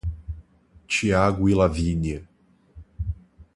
Thiago e Lavínia